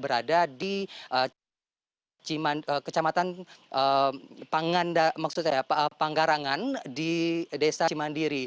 berada di kecamatan panggarangan di desa cimandiri